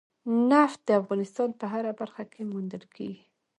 نفت د افغانستان په هره برخه کې موندل کېږي.